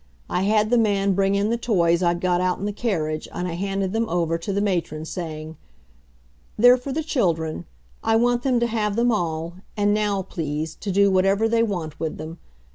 I had the man bring in the toys I'd got out in the carriage, and I handed them over to the matron, saying: "They're for the children. I want them to have them all and now, please, to do whatever they want with them.